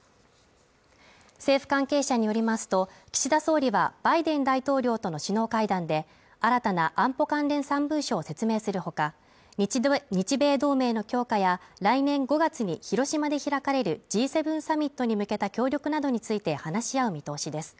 政府関係者によりますと岸田総理はバイデン大統領との首脳会談で新たな安保関連３文書を説明するほか日米同盟の強化や来年５月に広島で開かれるＧ７サミットに向けた協力などについて話し合う見通しです。